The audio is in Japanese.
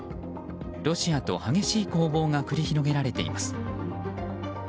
ロシアと激しい攻防が繰り広げられています。